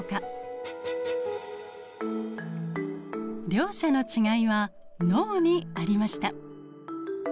両者の違いは脳にありました。